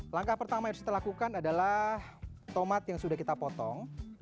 langkah pertama yang harus kita lakukan adalah tomat yang sudah kita potong